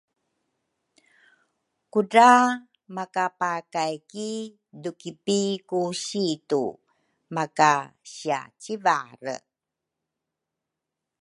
Kudra maka pakay ki dukipi ku situ maka siacivare